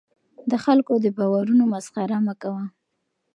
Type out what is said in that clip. د خلکو د باورونو مسخره مه کوه.